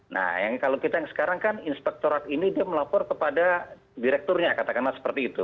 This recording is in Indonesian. nah kalau kita yang sekarang kan inspektorat ini dia melapor kepada direkturnya katakanlah seperti itu